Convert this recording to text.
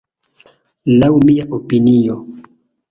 Laŭ mia opinio.